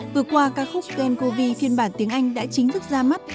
vừa qua ca khúc gen covid phiên bản tiếng anh đã chính thức ra mắt